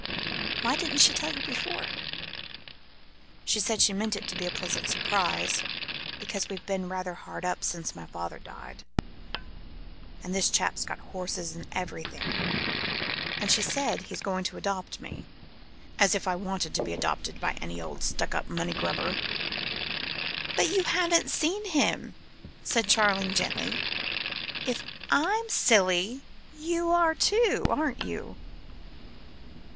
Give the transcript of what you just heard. "Why didn't she tell you before?" "She says she meant it to be a pleasant surprise, because we've been rather hard up since my father died, and this chap's got horses and everything, and she says he's going to adopt me. As if I wanted to be adopted by any old stuck up money grubber!" "But you haven't seen him," said Charling gently. "If I'm silly, you are too, aren't you?"